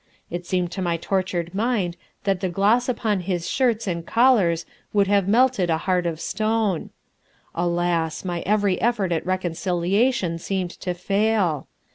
It seemed to my tortured mind that the gloss upon his shirts and collars would have melted a heart of stone. Alas! my every effort at reconciliation seemed to fail.